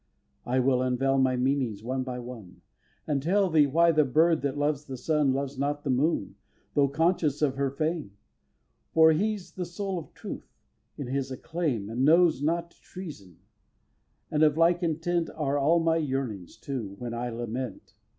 v. I will unveil my meanings one by one, And tell thee why the bird that loves the sun Loves not the moon, though conscious of her fame. For he's the soul of truth, in his acclaim, And knows not treason! And of like intent Are all my yearnings, too, when I lament.